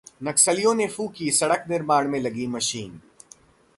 नक्सलियों ने फूंकी सड़क निर्माण में लगी मशीन